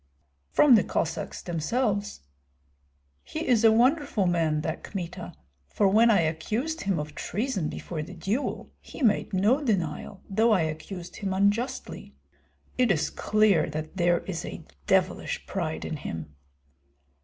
"From the Cossacks themselves. He is a wonderful man, that Kmita; for when I accused him of treason before the duel he made no denial, though I accused him unjustly. It is clear that there is a devilish pride in him."